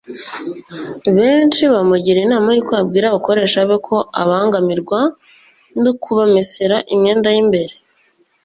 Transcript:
Benshi bamugiriye inama y’uko yabwira abakoreshwa be ko abangamirwa no kubamesera imyenda y’imbere